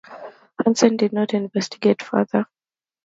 Hansen did not investigate further.